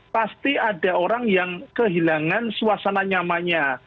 pasti ada orang yang kehilangan suasana nyamannya